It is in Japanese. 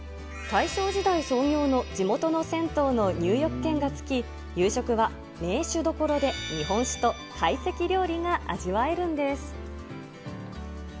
大正時代創業の地元の銭湯の入浴券が付き、夕食は銘酒どころで日本酒と懐石料理が味わえるんです。